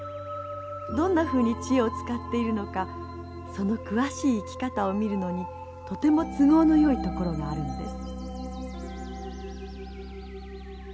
どんなふうに知恵を使っているのかその詳しい生き方を見るのにとても都合のよい所があるんです。